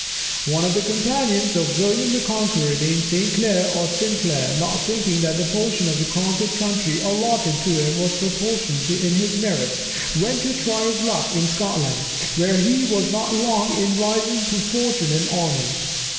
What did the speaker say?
One of the companions of William the Conqueror, named Saint Clair or Sinclair, not thinking that the portion of the conquered country allotted to him was proportioned to his merits, went to try his luck in Scotland, where he was not long in rising to fortune and honours.